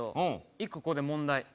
１個ここで問題。